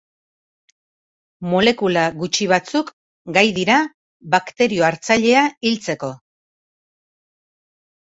Molekula gutxi batzuk gai dira bakterio hartzailea hiltzeko.